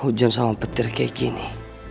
hujan sama petir kayak gini